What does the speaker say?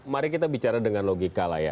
mari kita bicara dengan logika lah ya